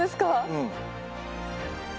うん。